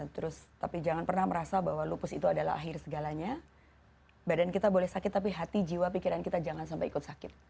terus tapi jangan pernah merasa bahwa lupus itu adalah akhir segalanya badan kita boleh sakit tapi hati jiwa pikiran kita jangan sampai ikut sakit